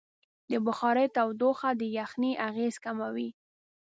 د بخارۍ تودوخه د یخنۍ اغېز کموي.